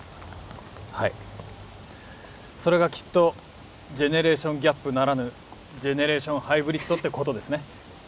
はいそれがきっとジェネレーションギャップならぬジェネレーションハイブリッドってことですね